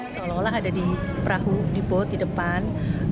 seolah olah ada di perahu di bot di depan